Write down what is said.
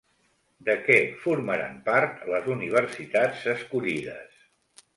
De què formaran part les universitats escollides?